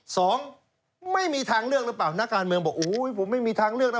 สองไม่มีทางเลือกหรือเปล่านักการเมืองบอกโอ้ยผมไม่มีทางเลือกนะ